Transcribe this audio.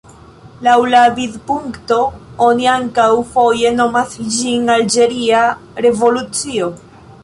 Laŭ la vidpunkto, oni ankaŭ foje nomas ĝin "alĝeria revolucio".